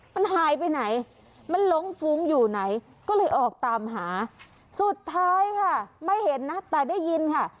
มันหายไปไหนมันหลงฟุ้งอยู่ไหนก็เลยออกตามหาสุดท้ายค่ะไม่เห็นนะแต่ได้ยินค่ะ